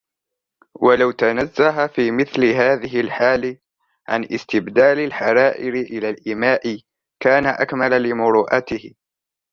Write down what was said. وَلَوْ تَنَزَّهَ فِي مِثْلِ هَذِهِ الْحَالِ عَنْ اسْتِبْذَالِ الْحَرَائِرِ إلَى الْإِمَاءِ كَانَ أَكْمَلَ لِمُرُوءَتِهِ